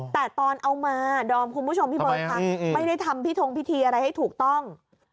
แต่ตอนเอามาดอมคุณผู้ชมพี่เบิร์ตค่ะไม่ได้ทำพิธงพิธีอะไรให้ถูกต้อง